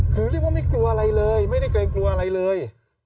คือเรียกว่าไม่กลัวอะไรเลยไม่ได้เกรงกลัวอะไรเลย